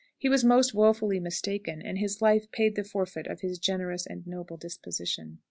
He was most woefully mistaken, and his life paid the forfeit of his generous and noble disposition.